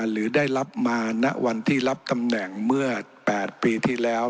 หรือได้รับมาณวันที่รับตำแหน่งเมื่อ๘ปีที่แล้ว